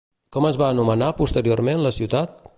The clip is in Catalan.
Com es va anomenar posteriorment la ciutat?